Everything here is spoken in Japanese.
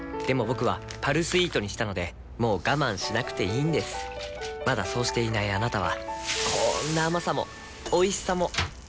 僕は「パルスイート」にしたのでもう我慢しなくていいんですまだそうしていないあなたはこんな甘さもおいしさもそして楽しさもあちっ。